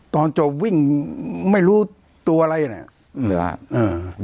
ตอนจบวิ่งไม่รู้ตัวอะไรเนี่ย